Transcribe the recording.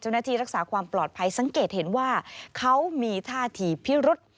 รักษาความปลอดภัยสังเกตเห็นว่าเขามีท่าทีพิรุษ